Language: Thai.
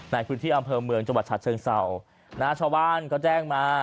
ในพื้นที่อำเภอเมืองจังหวัดฉะเชิงเศร้านะชาวบ้านก็แจ้งมา